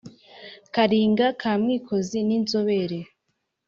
karinga ka mwikozi ninzobere